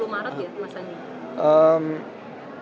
sepuluh maret ya mas andi